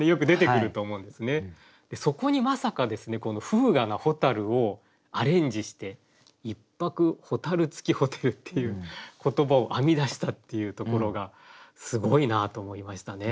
そこにまさかこの風雅な蛍をアレンジして「一泊蛍つきホテル」っていう言葉を編み出したっていうところがすごいなと思いましたね。